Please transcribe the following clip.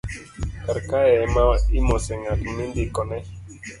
karkae ema imose ng'at mindikone